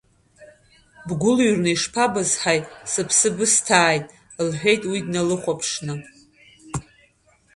Бгәылҩрны ишԥабызҳаи, сыԥсы бысҭааит, – лҳәеит уи даалыхәаԥшны.